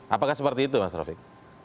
apakah seperti itu mas rofik